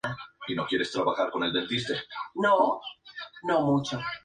Al contrario que los días bisiestos, tienen lugar simultáneamente en todo el mundo.